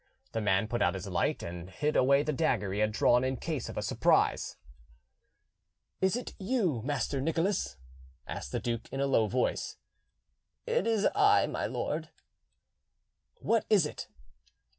The man put out his light and hid away the dagger he had drawn in case of a surprise. "Is it you, Master Nicholas?" asked the duke in a low voice. "It is I, my lord." "What is it?"